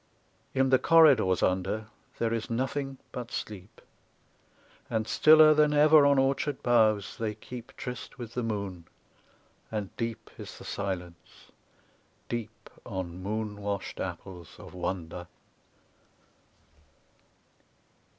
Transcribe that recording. In the corridors under there is nothing but sleep. And stiller than ever on orchard boughs they keep Tryst with the moon, and deep is the silence, deep On moon washed apples of wonder.